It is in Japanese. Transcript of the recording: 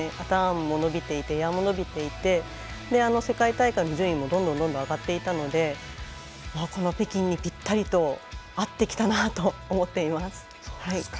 ターンも伸びていてエアも伸びていて世界大会の順位もどんどん上がっていたのでこの北京にぴったりと合ってきたなと思っています。